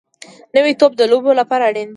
نوی توپ د لوبو لپاره اړین وي